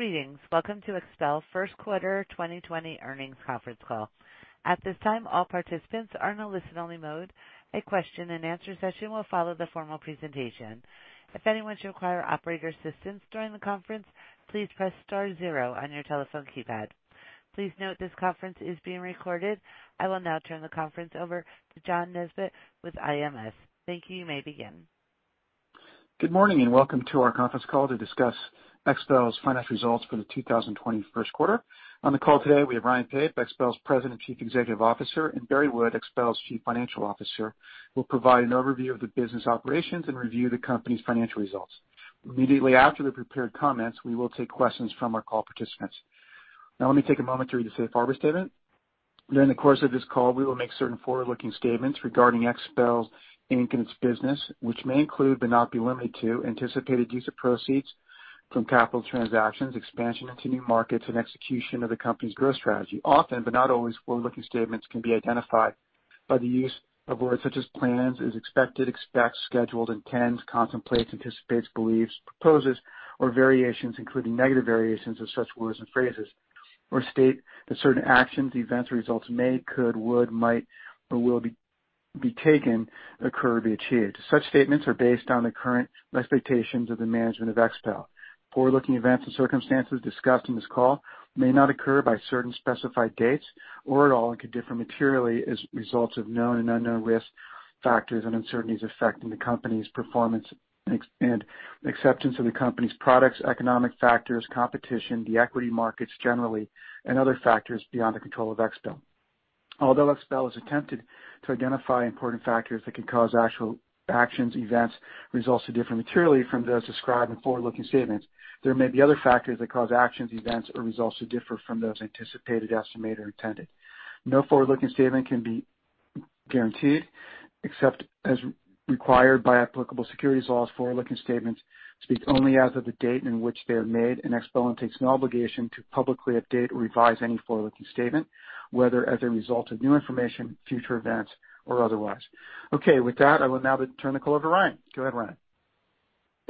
Greetings. Welcome to XPEL's First Quarter 2020 Earnings Conference Call. At this time, all participants are in a listen-only mode. A question and answer session will follow the formal presentation. If anyone should require operator assistance during the conference, please press star zero on your telephone keypad. I will now turn the conference over to John Nesbett with IMS. Thank you. You may begin. Good morning. Welcome to our conference call to discuss XPEL's financial results for the 2020 first quarter. On the call today, we have Ryan Pape, XPEL's President and Chief Executive Officer, and Barry Wood, XPEL's Chief Financial Officer, who will provide an overview of the business operations and review the company's financial results. Immediately after the prepared comments, we will take questions from our call participants. Let me take a moment to read the safe harbor statement. During the course of this call, we will make certain forward-looking statements regarding XPEL, Inc. and its business, which may include, but not be limited to, anticipated use of proceeds from capital transactions, expansion into new markets, and execution of the company's growth strategy. Often, but not always, forward-looking statements can be identified by the use of words such as plans, is expected, expects, scheduled, intends, contemplates, anticipates, believes, proposes, or variations, including negative variations, of such words and phrases or state that certain actions, events, or results may, could, would, might, or will be taken, occur, or be achieved. Such statements are based on the current expectations of the management of XPEL. Forward-looking events and circumstances discussed in this call may not occur by certain specified dates or at all and could differ materially as results of known and unknown risk factors and uncertainties affecting the company's performance and acceptance of the company's products, economic factors, competition, the equity markets generally, and other factors beyond the control of XPEL. Although XPEL has attempted to identify important factors that could cause actual actions, events, results to differ materially from those described in forward-looking statements, there may be other factors that cause actions, events, or results to differ from those anticipated, estimated, or intended. No forward-looking statement can be guaranteed except as required by applicable securities laws. Forward-looking statements speak only as of the date in which they are made, and XPEL undertakes no obligation to publicly update or revise any forward-looking statement, whether as a result of new information, future events, or otherwise. Okay. With that, I will now then turn the call over to Ryan. Go ahead, Ryan.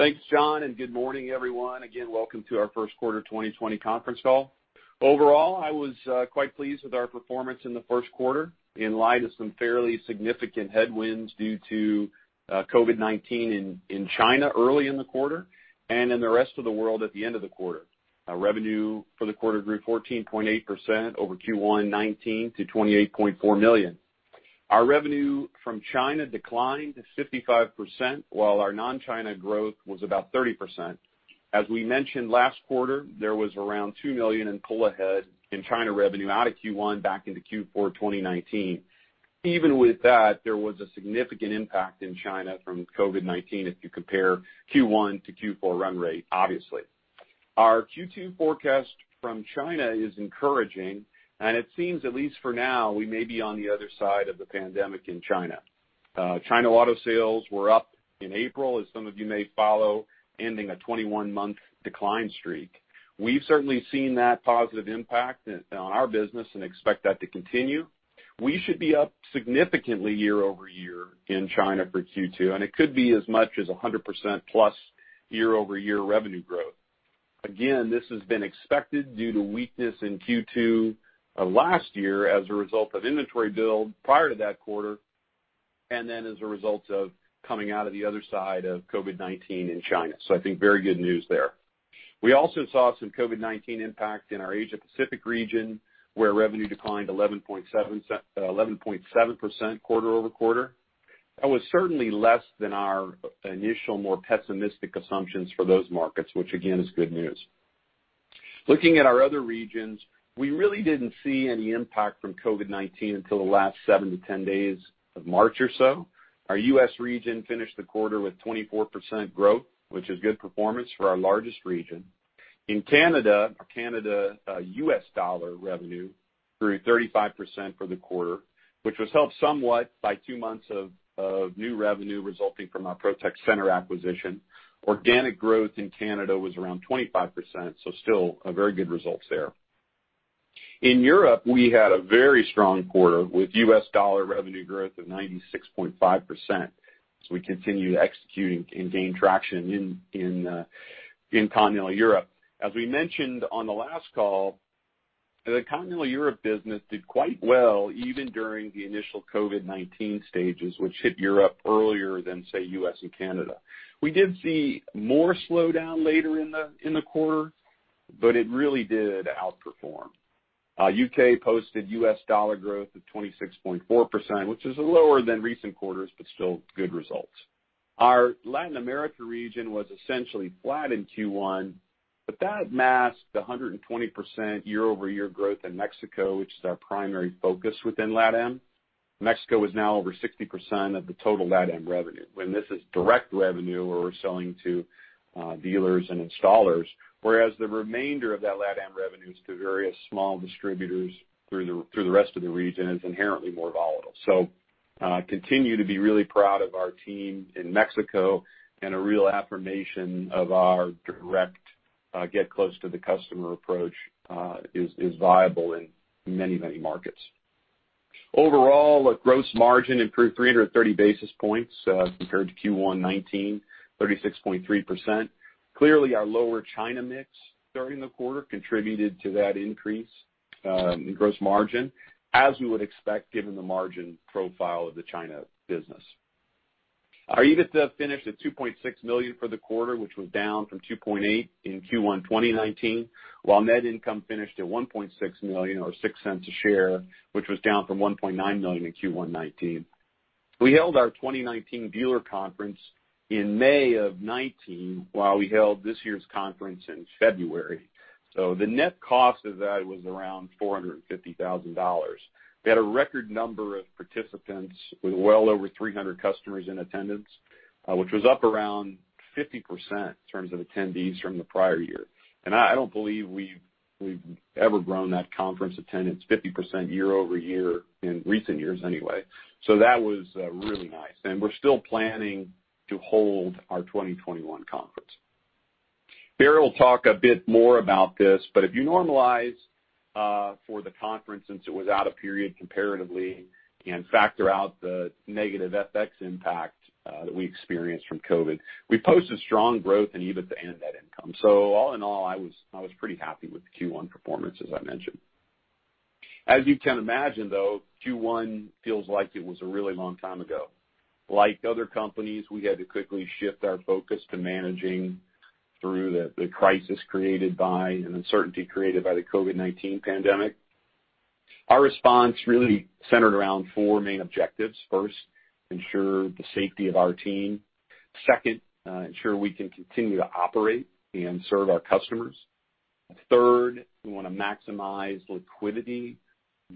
Thanks, John, good morning, everyone. Again, welcome to our first quarter 2020 conference call. Overall, I was quite pleased with our performance in the first quarter in light of some fairly significant headwinds due to COVID-19 in China early in the quarter and in the rest of the world at the end of the quarter. Our revenue for the quarter grew 14.8% over Q1 2019 to $28.4 million. Our revenue from China declined to 55%, while our non-China growth was about 30%. As we mentioned last quarter, there was around $2 million in pull ahead in China revenue out of Q1 back into Q4 2019. Even with that, there was a significant impact in China from COVID-19 if you compare Q1 to Q4 run rate, obviously. Our Q2 forecast from China is encouraging, and it seems, at least for now, we may be on the other side of the pandemic in China. China auto sales were up in April, as some of you may follow, ending a 21-month decline streak. We've certainly seen that positive impact on our business and expect that to continue. We should be up significantly year-over-year in China for Q2, and it could be as much as 100% plus year-over-year revenue growth. This has been expected due to weakness in Q2 last year as a result of inventory build prior to that quarter and then as a result of coming out of the other side of COVID-19 in China. I think very good news there. We also saw some COVID-19 impact in our Asia Pacific region, where revenue declined 11.7% quarter-over-quarter. That was certainly less than our initial, more pessimistic assumptions for those markets, which again, is good news. Looking at our other regions, we really didn't see any impact from COVID-19 until the last 7-10 days of March or so. Our U.S. region finished the quarter with 24% growth, which is good performance for our largest region. In Canada, our Canada US dollar revenue grew 35% for the quarter, which was helped somewhat by two months of new revenue resulting from our Protex Centre acquisition. Organic growth in Canada was around 25%, still very good results there. In Europe, we had a very strong quarter with US dollar revenue growth of 96.5% as we continue to execute and gain traction in Continental Europe. As we mentioned on the last call, the Continental Europe business did quite well even during the initial COVID-19 stages, which hit Europe earlier than, say, U.S. and Canada. We did see more slowdown later in the quarter, but it really did outperform. U.K. posted US dollar growth of 26.4%, which is lower than recent quarters, but still good results. Our Latin America region was essentially flat in Q1, but that masked the 120% year-over-year growth in Mexico, which is our primary focus within LatAm. Mexico is now over 60% of the total LatAm revenue, and this is direct revenue where we're selling to dealers and installers, whereas the remainder of that LatAm revenue is to various small distributors through the rest of the region and is inherently more volatile. Continue to be really proud of our team in Mexico and a real affirmation of our direct, get close to the customer approach, is viable in many, many markets. Overall, our gross margin improved 330 basis points compared to Q1 2019, 36.3%. Clearly, our lower China mix during the quarter contributed to that increase in gross margin as we would expect given the margin profile of the China business. Our EBITDA finished at $2.6 million for the quarter, which was down from $2.8 million in Q1 2019, while net income finished at $1.6 million or $0.06 a share, which was down from $1.9 million in Q1 2019. We held our 2019 dealer conference in May of 2019, while we held this year's conference in February. The net cost of that was around $450,000. We had a record number of participants with well over 300 customers in attendance, which was up around 50% in terms of attendees from the prior year. I don't believe we've ever grown that conference attendance 50% year-over-year in recent years anyway. That was really nice. We're still planning to hold our 2021 conference. If you normalize for the conference since it was out of period comparatively and factor out the negative FX impact that we experienced from COVID-19, we posted strong growth in EBIT and net income. All in all, I was pretty happy with the Q1 performance as I mentioned. As you can imagine though, Q1 feels like it was a really long time ago. Like other companies, we had to quickly shift our focus to managing through the crisis created by and uncertainty created by the COVID-19 pandemic. Our response really centered around four main objectives. First, ensure the safety of our team. Second, ensure we can continue to operate and serve our customers. Third, we wanna maximize liquidity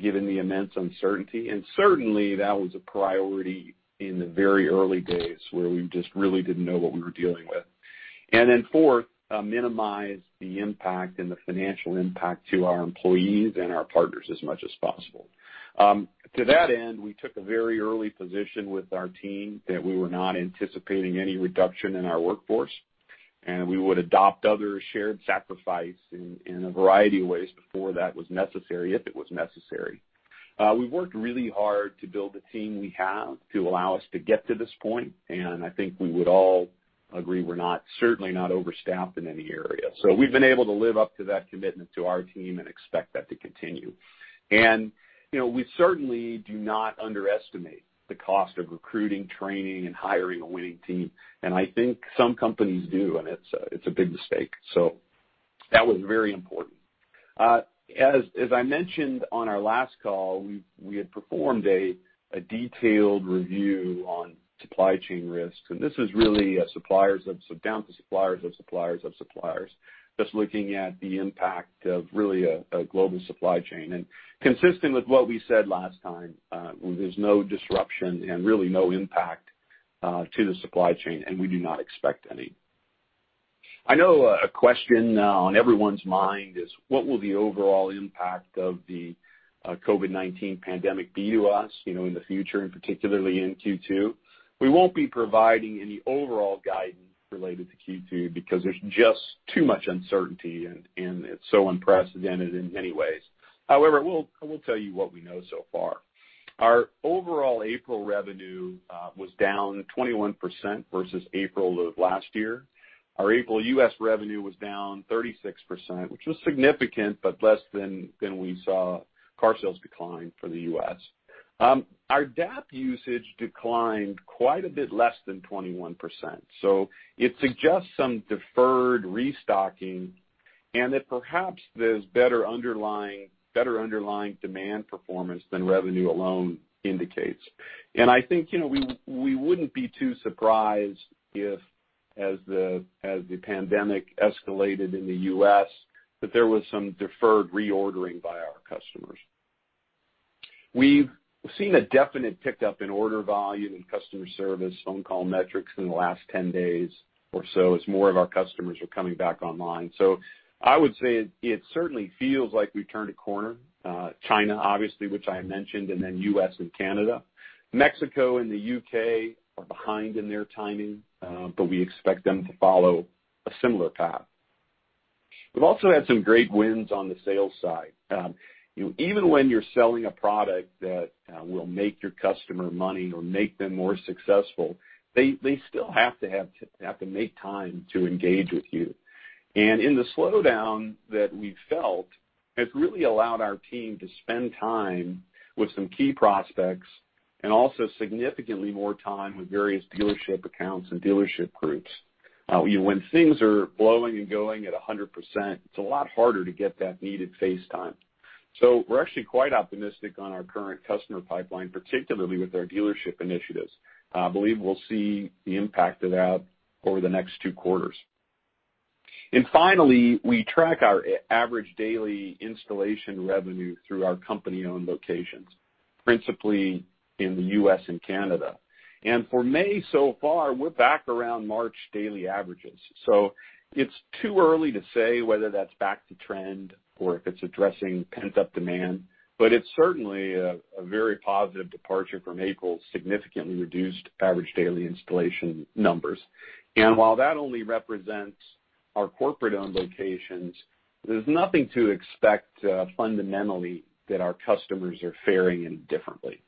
given the immense uncertainty. Certainly, that was a priority in the very early days where we just really didn't know what we were dealing with. Then fourth, minimize the impact and the financial impact to our employees and our partners as much as possible. To that end, we took a very early position with our team that we were not anticipating any reduction in our workforce, and we would adopt other shared sacrifice in a variety of ways before that was necessary, if it was necessary. We worked really hard to build the team we have to allow us to get to this point, and I think we would all agree we're not, certainly not overstaffed in any area. We've been able to live up to that commitment to our team and expect that to continue. You know, we certainly do not underestimate the cost of recruiting, training, and hiring a winning team. I think some companies do, and it's a big mistake. That was very important. As I mentioned on our last call, we had performed a detailed review on supply chain risk. This is really down to suppliers of suppliers of suppliers, just looking at the impact of really a global supply chain. Consistent with what we said last time, there's no disruption and really no impact to the supply chain, and we do not expect any. I know a question on everyone's mind is what will the overall impact of the COVID-19 pandemic be to us, you know, in the future and particularly in Q2? We won't be providing any overall guidance related to Q2 because there's just too much uncertainty and it's so unprecedented in many ways. We'll tell you what we know so far. Our overall April revenue was down 21% versus April of last year. Our April US revenue was down 36%, which was significant, less than we saw car sales decline for the U.S. Our DAP usage declined quite a bit less than 21%. It suggests some deferred restocking and that perhaps there's better underlying demand performance than revenue alone indicates. I think, you know, we wouldn't be too surprised if as the pandemic escalated in the U.S., that there was some deferred reordering by our customers. We've seen a definite pickup in order volume and customer service phone call metrics in the last 10 days or so as more of our customers are coming back online. I would say it certainly feels like we've turned a corner. China obviously, which I mentioned, U.S. and Canada. Mexico and the U.K. are behind in their timing, we expect them to follow a similar path. We've also had some great wins on the sales side. You know, even when you're selling a product that will make your customer money or make them more successful, they still have to make time to engage with you. In the slowdown that we've felt, it's really allowed our team to spend time with some key prospects and also significantly more time with various dealership accounts and dealership groups. You know, when things are blowing and going at 100%, it's a lot harder to get that needed face time. We're actually quite optimistic on our current customer pipeline, particularly with our dealership initiatives. I believe we'll see the impact of that over the next two quarters. Finally, we track our average daily installation revenue through our company-owned locations, principally in the U.S. and Canada. For May so far, we're back around March daily averages. It's too early to say whether that's back to trend or if it's addressing pent-up demand, but it's certainly a very positive departure from April's significantly reduced average daily installation numbers. While that only represents our corporate-owned locations, there's nothing to expect fundamentally that our customers are faring indifferently.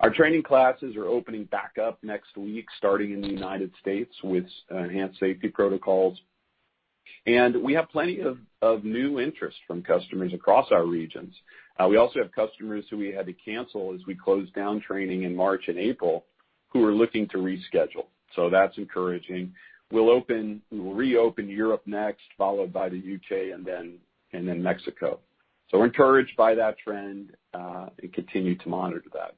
Our training classes are opening back up next week, starting in the United States with enhanced safety protocols. We have plenty of new interest from customers across our regions. We also have customers who we had to cancel as we closed down training in March and April who are looking to reschedule. That's encouraging. We'll reopen Europe next, followed by the U.K. and then Mexico. We're encouraged by that trend and continue to monitor that.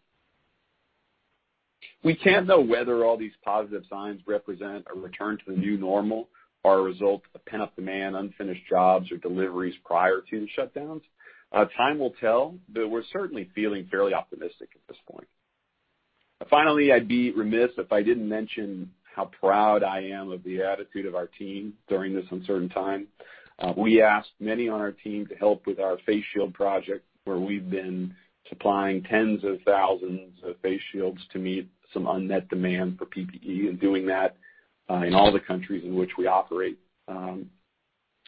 We can't know whether all these positive signs represent a return to the new normal or a result of pent-up demand, unfinished jobs or deliveries prior to the shutdowns. Time will tell, but we're certainly feeling fairly optimistic at this point. Finally, I'd be remiss if I didn't mention how proud I am of the attitude of our team during this uncertain time. We asked many on our team to help with our face shield project, where we've been supplying tens of thousands of face shields to meet some unmet demand for PPE and doing that in all the countries in which we operate.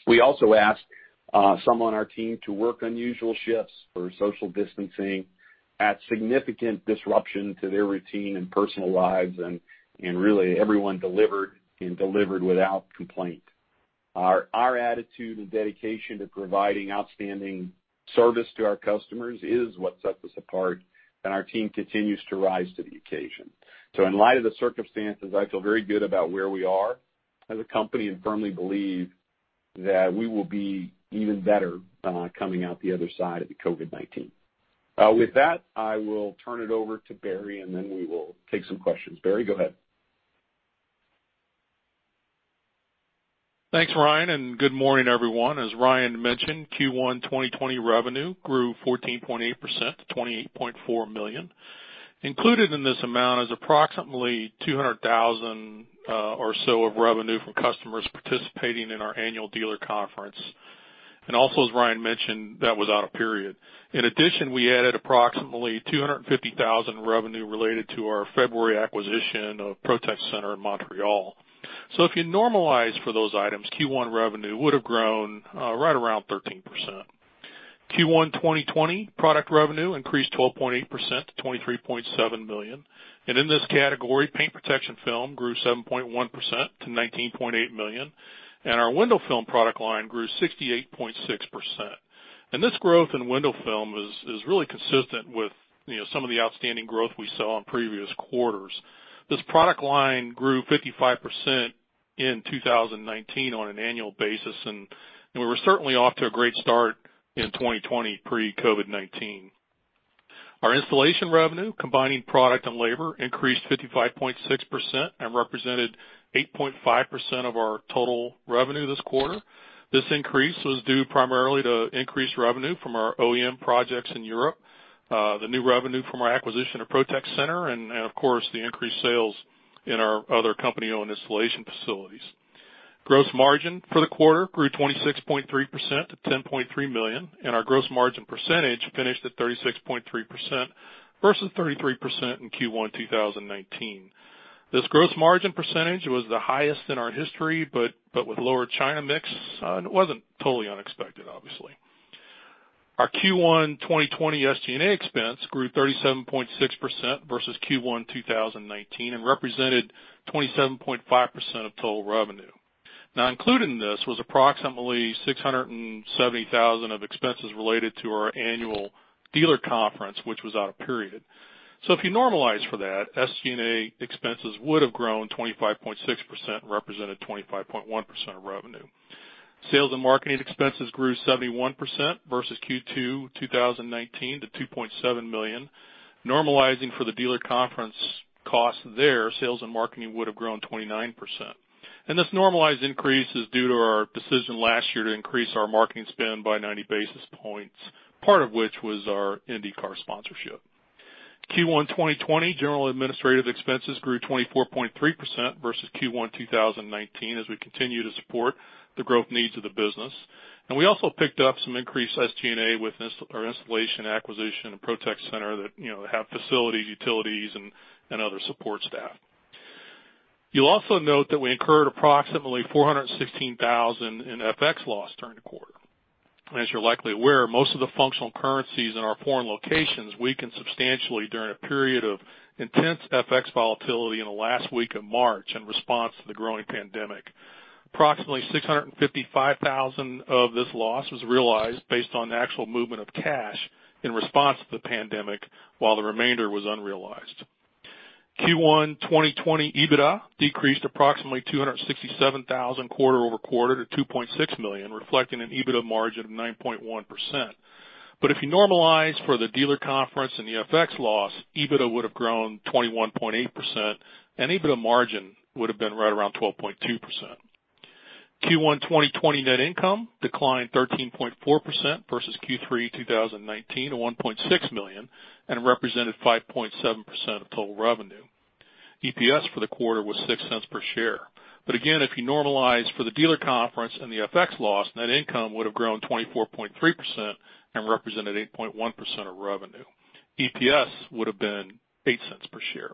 We also asked some on our team to work unusual shifts for social distancing at significant disruption to their routine and personal lives, and really everyone delivered and delivered without complaint. Our attitude and dedication to providing outstanding service to our customers is what sets us apart, and our team continues to rise to the occasion. In light of the circumstances, I feel very good about where we are as a company and firmly believe that we will be even better coming out the other side of the COVID-19. With that, I will turn it over to Barry, and then we will take some questions. Barry, go ahead. Thanks, Ryan, good morning, everyone. As Ryan mentioned, Q1 2020 revenue grew 14.8% to $28.4 million. Included in this amount is approximately $200,000 or so of revenue from customers participating in our annual dealer conference. Also as Ryan mentioned, that was out of period. In addition, we added approximately $250,000 revenue related to our February acquisition of Protex Centre in Montreal. If you normalize for those items, Q1 revenue would have grown right around 13%. Q1 2020 product revenue increased 12.8% to $23.7 million. In this category, paint protection film grew 7.1% to $19.8 million. Our window film product line grew 68.6%. This growth in window film is really consistent with, you know, some of the outstanding growth we saw in previous quarters. This product line grew 55% in 2019 on an annual basis, and we were certainly off to a great start in 2020 pre-COVID-19. Our installation revenue, combining product and labor, increased 55.6% and represented 8.5% of our total revenue this quarter. This increase was due primarily to increased revenue from our OEM projects in Europe, the new revenue from our acquisition of Protex Centre and of course, the increased sales in our other company-owned installation facilities. Gross margin for the quarter grew 26.3% to $10.3 million, and our gross margin percentage finished at 36.3% versus 33% in Q1 2019. This gross margin percentage was the highest in our history, with lower China mix, it wasn't totally unexpected, obviously. Our Q1 2020 SG&A expense grew 37.6% versus Q1 2019 and represented 27.5% of total revenue. Included in this was approximately $670,000 of expenses related to our annual dealer conference, which was out of period. If you normalize for that, SG&A expenses would have grown 25.6% and represented 25.1% of revenue. Sales and marketing expenses grew 71% versus Q2 2019 to $2.7 million. Normalizing for the dealer conference costs there, sales and marketing would have grown 29%. This normalized increase is due to our decision last year to increase our marketing spend by 90 basis points, part of which was our INDYCAR sponsorship. Q1 2020 general administrative expenses grew 24.3% versus Q1 2019 as we continue to support the growth needs of the business. We also picked up some increased SG&A with installation acquisition of Protex Centre that, you know, have facilities, utilities, and other support staff. You'll also note that we incurred approximately $416,000 in FX loss during the quarter. As you're likely aware, most of the functional currencies in our foreign locations weakened substantially during a period of intense FX volatility in the last week of March in response to the growing pandemic. Approximately $655,000 of this loss was realized based on the actual movement of cash in response to the pandemic, while the remainder was unrealized. Q1 2020 EBITDA decreased approximately $267,000 quarter-over-quarter to $2.6 million, reflecting an EBITDA margin of 9.1%. If you normalize for the dealer conference and the FX loss, EBITDA would have grown 21.8%, and EBITDA margin would have been right around 12.2%. Q1 2020 net income declined 13.4% versus Q3 2019 to $1.6 million, and represented 5.7% of total revenue. EPS for the quarter was $0.06 per share. Again, if you normalize for the dealer conference and the FX loss, net income would have grown 24.3% and represented 8.1% of revenue. EPS would have been $0.08 per share.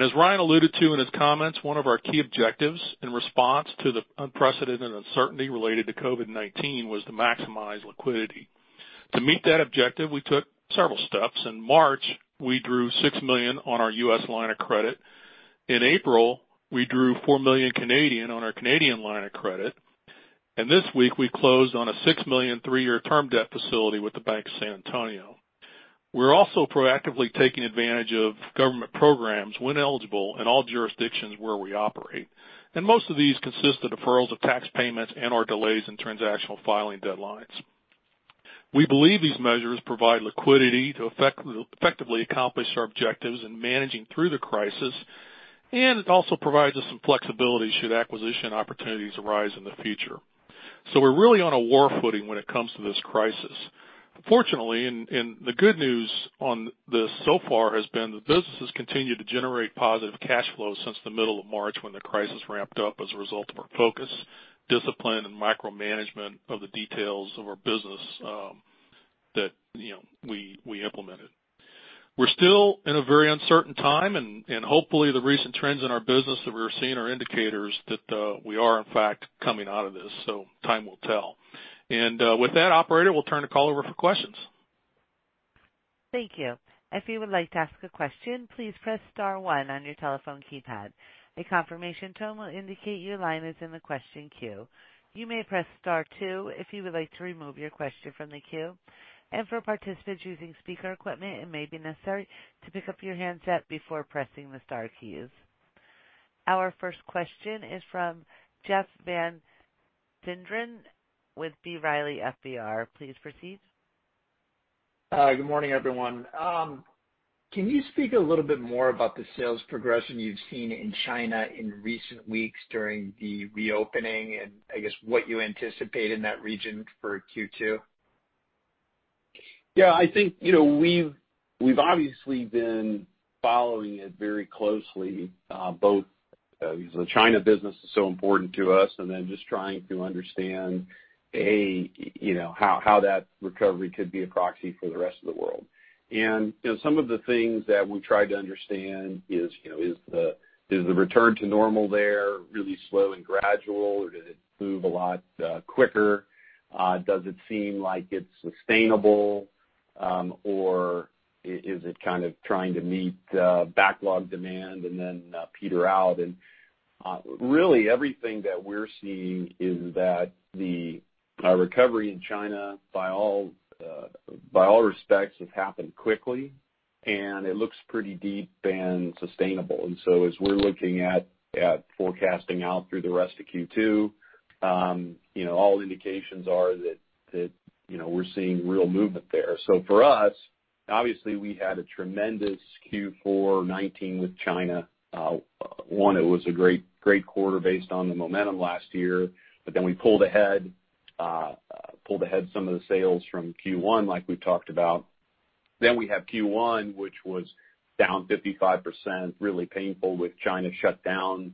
As Ryan alluded to in his comments, one of our key objectives in response to the unprecedented uncertainty related to COVID-19 was to maximize liquidity. To meet that objective, we took several steps. In March, we drew $6 million on our US line of credit. In April, we drew 4 million on our Canadian line of credit. This week, we closed on a $6 million, three-year term debt facility with The Bank of San Antonio. We're also proactively taking advantage of government programs when eligible in all jurisdictions where we operate. Most of these consist of deferrals of tax payments and/or delays in transactional filing deadlines. We believe these measures provide liquidity to effectively accomplish our objectives in managing through the crisis, and it also provides us some flexibility should acquisition opportunities arise in the future. We're really on a war footing when it comes to this crisis. Fortunately, the good news on this so far has been the business has continued to generate positive cash flow since the middle of March when the crisis ramped up as a result of our focus, discipline and micromanagement of the details of our business that, you know, we implemented. We're still in a very uncertain time and hopefully the recent trends in our business that we're seeing are indicators that we are in fact coming out of this. Time will tell. With that, operator, we'll turn the call over for questions. Thank you. If you would like to ask a question, please press star one on your telephone keypad. A confirmation tone will indicate your line is in the question queue. You may press star two if you would like to remove your question from the queue. For participants using speaker equipment, it may be necessary to pick up your handset before pressing the star keys. Our first question is from Jeff Van Sinderen with B. Riley FBR. Please proceed. Good morning, everyone. Can you speak a little bit more about the sales progression you've seen in China in recent weeks during the reopening and I guess what you anticipate in that region for Q2? I think, you know, we've obviously been following it very closely, both because the China business is so important to us, and then just trying to understand, A, you know, how that recovery could be a proxy for the rest of the world. You know, some of the things that we tried to understand is, you know, is the return to normal there really slow and gradual, or did it move a lot quicker? Does it seem like it's sustainable, or is it kind of trying to meet backlog demand and then Peter out? Really everything that we're seeing is that the recovery in China, by all respects, has happened quickly, and it looks pretty deep and sustainable. As we're looking at forecasting out through the rest of Q2, you know, all indications are that, you know, we're seeing real movement there. For us, obviously we had a tremendous Q4 2019 with China. One, it was a great quarter based on the momentum last year. We pulled ahead some of the sales from Q1 like we've talked about. We have Q1, which was down 55%, really painful with China shut down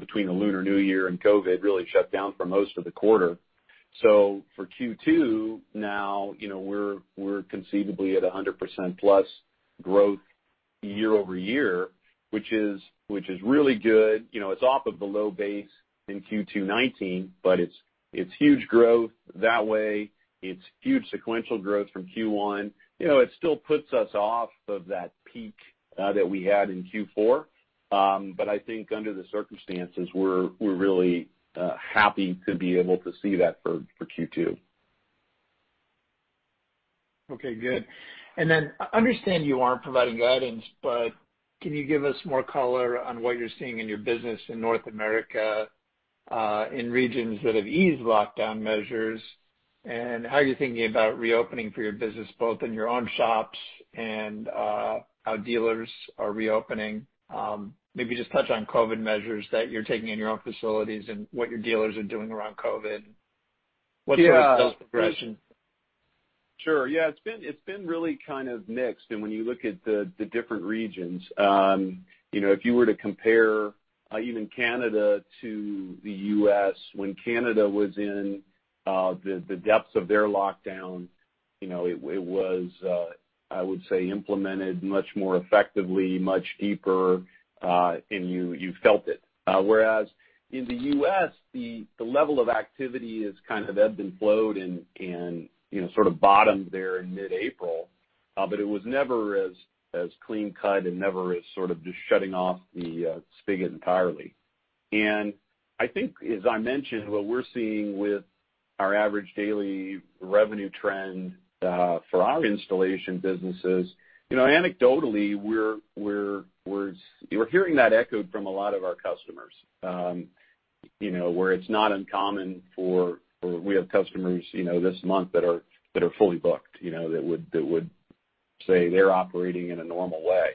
between the Lunar New Year and COVID-19 really shut down for most of the quarter. For Q2 now, you know, we're conceivably at 100%+ growth year-over-year, which is really good. You know, it's off of the low base in Q2 2019, but it's huge growth that way. It's huge sequential growth from Q1. You know, it still puts us off of that peak that we had in Q4. I think under the circumstances, we're really happy to be able to see that for Q2. Okay, good. I understand you aren't providing guidance, but can you give us more color on what you're seeing in your business in North America, in regions that have eased lockdown measures? How are you thinking about reopening for your business, both in your own shops and how dealers are reopening? Maybe just touch on COVID measures that you're taking in your own facilities and what your dealers are doing around COVID. What's your sales progression? Sure. Yeah, it's been, it's been really kind of mixed. When you look at the different regions, you know, if you were to compare even Canada to the U.S., when Canada was in the depths of their lockdown, you know, it was, I would say implemented much more effectively, much deeper, and you felt it. Whereas in the U.S., the level of activity has kind of ebbed and flowed and, you know, sort of bottomed there in mid-April, it was never as clean cut and never as sort of just shutting off the spigot entirely. I think, as I mentioned, what we're seeing with our average daily revenue trend, for our installation businesses, you know, anecdotally, we're hearing that echoed from a lot of our customers, you know, where it's not uncommon or we have customers, you know, this month that are fully booked, you know, that would say they're operating in a normal way.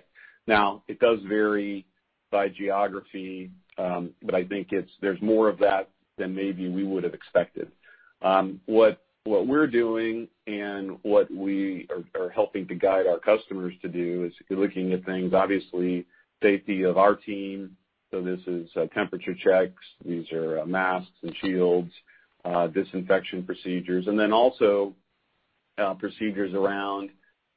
It does vary by geography, but I think there's more of that than maybe we would have expected. What we're doing and what we are helping to guide our customers to do is looking at things, obviously safety of our team This is temperature checks. These are masks and shields, disinfection procedures, and then also procedures around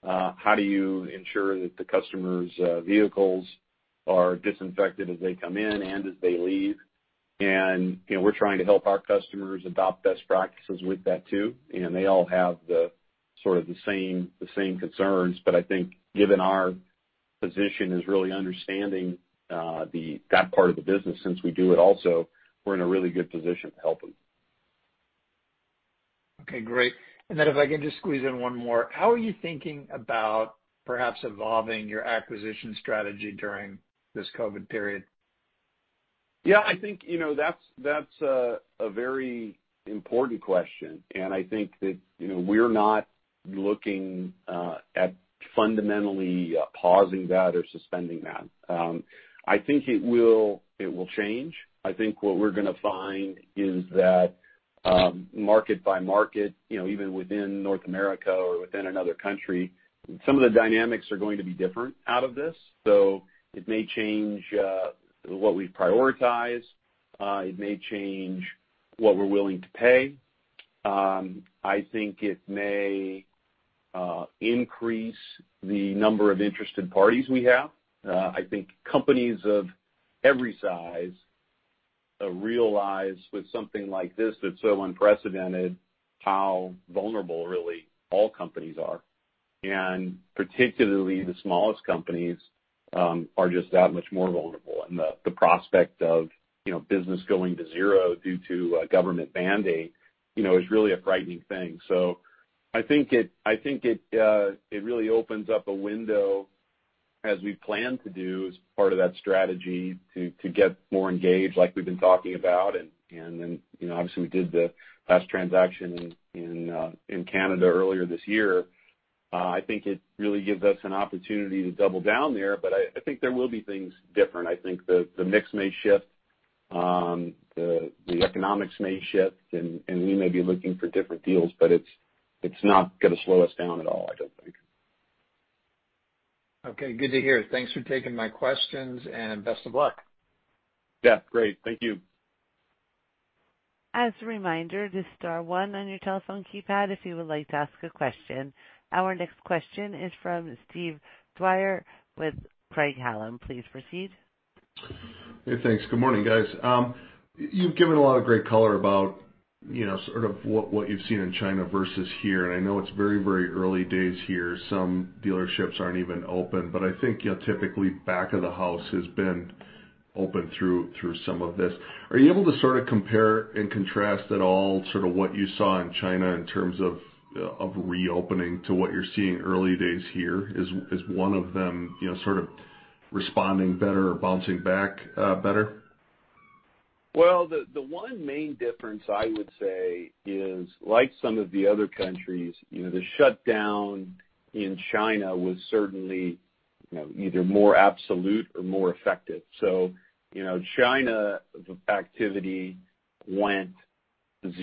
how do you ensure that the customers' vehicles are disinfected as they come in and as they leave. You know, we're trying to help our customers adopt best practices with that too, and they all have the sort of the same, the same concerns. I think given our position is really understanding that part of the business since we do it also, we're in a really good position to help them. Okay, great. If I can just squeeze in one more. How are you thinking about perhaps evolving your acquisition strategy during this COVID period? Yeah, I think, you know, that's a very important question, and I think that, you know, we're not looking at fundamentally pausing that or suspending that. I think it will change. I think what we're gonna find is that, market by market, you know, even within North America or within another country, some of the dynamics are going to be different out of this. It may change what we prioritize. It may change what we're willing to pay. I think it may increase the number of interested parties we have. I think companies of every size realize with something like this that's so unprecedented how vulnerable really all companies are. Particularly the smallest companies are just that much more vulnerable. That, the prospect of, you know, business going to zero due to a government mandate, you know, is really a frightening thing. I think it really opens up a window as we plan to do as part of that strategy to get more engaged like we've been talking about and, then, you know, obviously we did the last transaction in Canada earlier this year. I think it really gives us an opportunity to double down there, but I think there will be things different. I think the mix may shift, the economics may shift and, we may be looking for different deals, but it's not gonna slow us down at all, I don't think. Okay, good to hear. Thanks for taking my questions and best of luck. Yeah. Great. Thank you. As a reminder, just star one on your telephone keypad if you would like to ask a question. Our next question is from Steve Dyer with Craig-Hallum. Please proceed. Hey, thanks. Good morning, guys. You've given a lot of great color about, you know, sort of what you've seen in China versus here. I know it's very early days here. Some dealerships aren't even open. I think, you know, typically back of the house has been open through some of this. Are you able to sort of compare and contrast at all sort of what you saw in China in terms of reopening to what you're seeing early days here? Is one of them, you know, sort of responding better or bouncing back better? Well, the one main difference I would say is like some of the other countries, you know, the shutdown in China was certainly, you know, either more absolute or more effective. You know, China activity went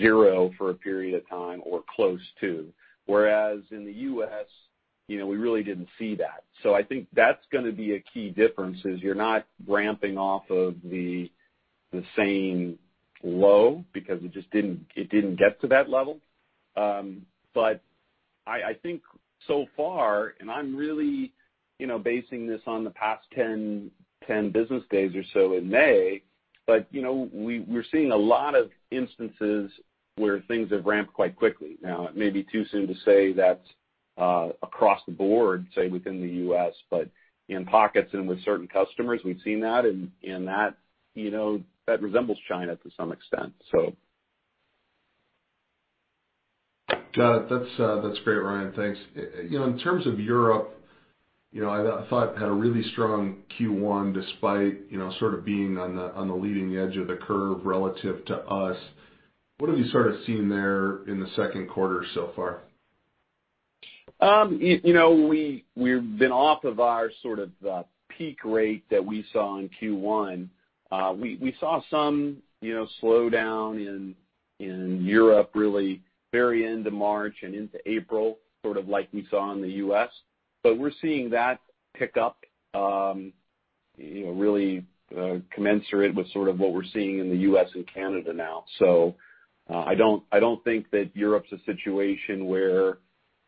zero for a period of time or close to. Whereas in the U.S., you know, we really didn't see that. I think that's gonna be a key difference is you're not ramping off of the same low because it just didn't get to that level. But I think so far, and I'm really, you know, basing this on the past 10 business days or so in May, but, you know, we're seeing a lot of instances where things have ramped quite quickly. Now, it may be too soon to say that's, across the board, say, within the U.S., but in pockets and with certain customers, we've seen that. That, you know, that resembles China to some extent. Got it. That's great, Ryan. Thanks. You know, in terms of Europe, you know, I thought had a really strong Q1 despite, you know, sort of being on the, on the leading edge of the curve relative to us. What have you sort of seen there in the second quarter so far? You know, we've been off of our sort of peak rate that we saw in Q1. We saw some, you know, slowdown in Europe really very end of March and into April, sort of like we saw in the U.S. We're seeing that pick up, you know, really commensurate with sort of what we're seeing in the U.S. and Canada now. I don't think that Europe's a situation where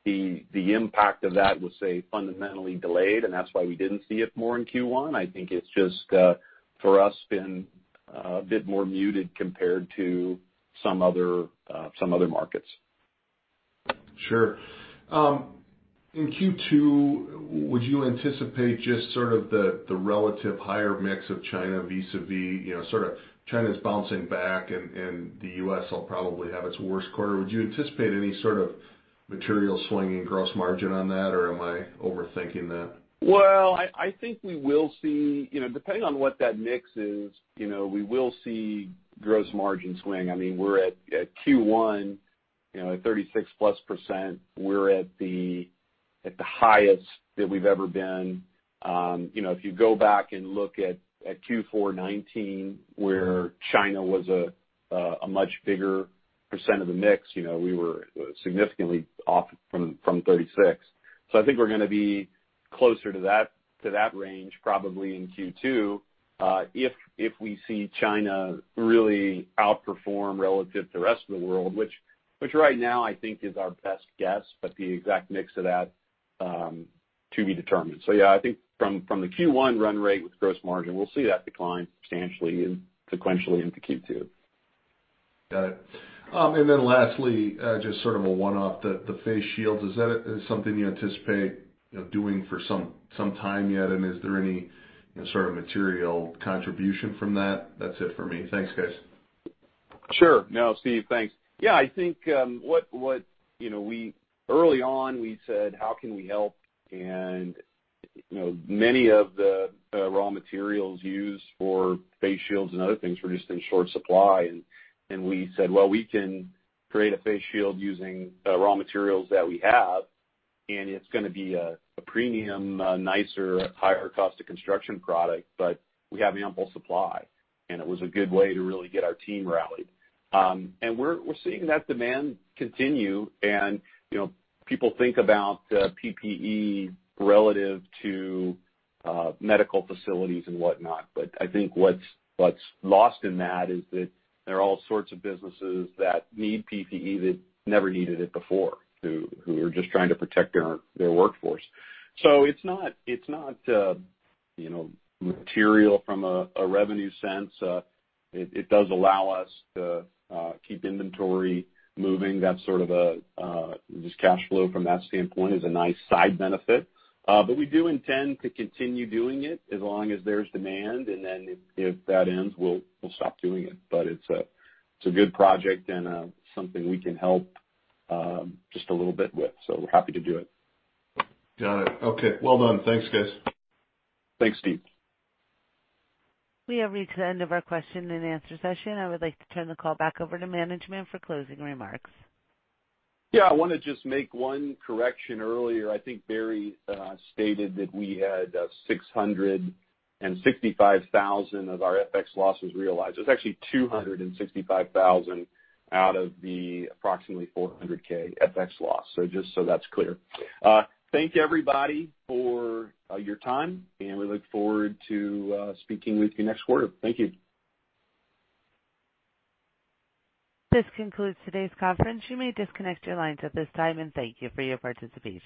the impact of that was, say, fundamentally delayed, and that's why we didn't see it more in Q1. I think it's just for us been a bit more muted compared to some other some other markets. Sure. In Q2, would you anticipate just sort of the relative higher mix of China vis-a-vis, you know, sort of China's bouncing back and the U.S. will probably have its worst quarter. Would you anticipate any sort of material swing in gross margin on that, or am I overthinking that? Well, I think we will see, you know, depending on what that mix is, you know, we will see gross margin swing. I mean, we're at Q1, you know, at 36+%. We're at the highest that we've ever been. You know, if you go back and look at Q4 2019 where China was a much bigger percent of the mix, you know, we were significantly off from 36%. I think we're gonna be closer to that range, probably in Q2, if we see China really outperform relative to the rest of the world, which right now I think is our best guess, but the exact mix of that to be determined. Yeah, I think from the Q1 run rate with gross margin, we'll see that decline substantially and sequentially into Q2. Got it. Then lastly, just sort of a one-off. The face shields, is that something you anticipate, you know, doing for some time yet? Is there any, you know, sort of material contribution from that? That's it for me. Thanks, guys. Sure. No, Steve, thanks. Yeah, I think, you know, early on, we said, "How can we help?" You know, many of the raw materials used for face shields and other things were just in short supply. We said, "Well, we can create a face shield using raw materials that we have, and it's gonna be a premium, a nicer, higher cost of construction product, but we have ample supply." It was a good way to really get our team rallied. We're seeing that demand continue. You know, people think about PPE relative to medical facilities and whatnot, but I think what's lost in that is that there are all sorts of businesses that need PPE that never needed it before, who are just trying to protect their workforce. It's not, you know, material from a revenue sense. It does allow us to keep inventory moving. That's sort of a Just cash flow from that standpoint is a nice side benefit. We do intend to continue doing it as long as there's demand. If that ends, we'll stop doing it. It's a good project and something we can help just a little bit with. We're happy to do it. Got it. Okay. Well done. Thanks, guys. Thanks, Steve. We have reached the end of our question and answer session. I would like to turn the call back over to management for closing remarks. Yeah, I wanna just make one correction. Earlier, I think Barry stated that we had $665,000 of our FX losses realized. It was actually $265,000 out of the approximately $400K FX loss. Just so that's clear. Thank you, everybody, for your time, and we look forward to speaking with you next quarter. Thank you. This concludes today's conference. You may disconnect your lines at this time, and thank you for your participation.